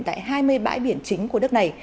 tại hai mươi bãi biển chính của đất này